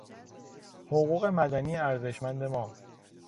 حقوق مدنی ارزشمند ما